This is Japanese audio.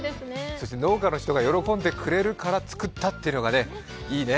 そして農家の人が喜んでくれるから作ったというのがいいね。